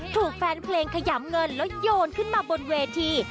ถูกแฟนเพลงขยำเงินแล้วโยนขึ้นมาบนเวที